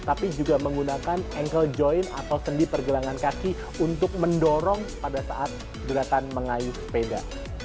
tapi juga menggunakan ankle joint atau sendi pergelangan kaki untuk mendorong pada saat gerakan mengayuh sepeda